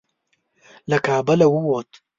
له کابله ووت.